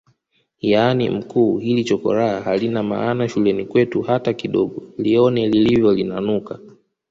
Yani mkuu hili chokoraa halina maana shuleni kwetu hata kidogo lione lilivyolinanuka